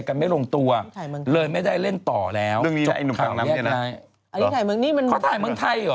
ร่วมทุนสร้างเขาบอกพี่แม่